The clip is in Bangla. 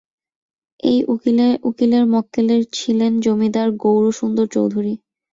এই উকিলের মক্কেল ছিলেন জমিদার গৌরসুন্দর চৌধুরী।